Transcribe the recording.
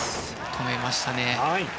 止めましたね。